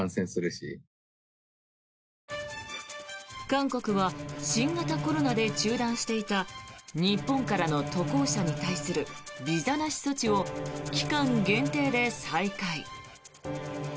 韓国は新型コロナで中断していた日本からの渡航者に対するビザなし措置を期間限定で再開。